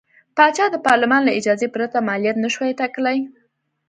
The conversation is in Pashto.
پاچا د پارلمان له اجازې پرته مالیات نه شوای ټاکلی.